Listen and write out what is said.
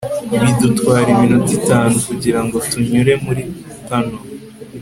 bidutwara iminota itanu kugirango tunyure muri tunnel